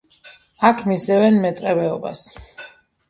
აქ მისდევენ მეტყევეობას.